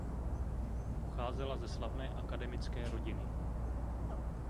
Pocházela ze slavné akademické rodiny.